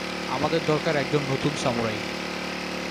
আমাদের দরকার একজন নতুন সামুরাই।